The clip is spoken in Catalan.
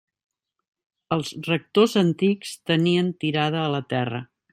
Els rectors antics tenien tirada a la terra.